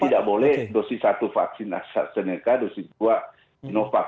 tidak boleh dosis satu vaksin astrazeneca dosis dua sinovac